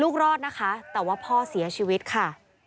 รอดนะคะแต่ว่าพ่อเสียชีวิตค่ะ